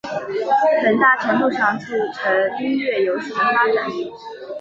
很大程度上促成音乐游戏的发展。